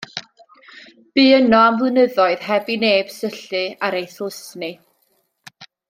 Bu yno am flynyddoedd heb i neb syllu ar ei thlysni.